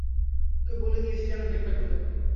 ওকে বলে দিয়েছি যেন গেট না খোলে।